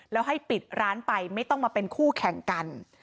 แล้วให้ปิดร้านไปไม่ต้องมาเป็นคู่แข่งกัน